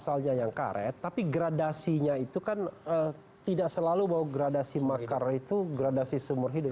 pasalnya yang karet tapi gradasinya itu kan tidak selalu bahwa gradasi makar itu gradasi seumur hidup